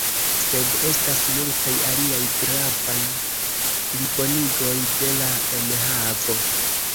Sed estas multaj aliaj gravaj plibonigoj de la enhavo.